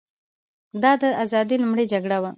دا د ازادۍ لومړۍ جګړه وه.